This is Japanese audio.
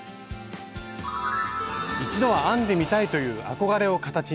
一度は編んでみたいという憧れを形に！